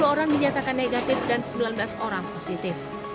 sepuluh orang dinyatakan negatif dan sembilan belas orang positif